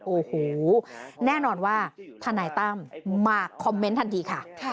โอ้โหแน่นอนว่าทนายตั้มมาคอมเมนต์ทันทีค่ะ